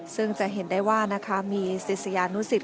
ซึ่งจะเห็นได้ว่านะคะมีศิษยานุสิต